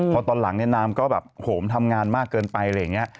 พอตอนหลังเนี่ยนามก็แบบโหมทำงานมากเกินไปอะไรอย่างนี้